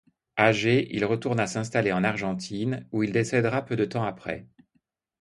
Âgé il retourna s'installer en Argentine, où il décèdera peu de temps après.